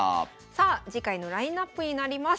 さあ次回のラインナップになります。